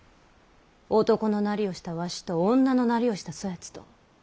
男のなりをしたわしと女のなりをしたそやつと！